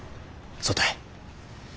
そうたい。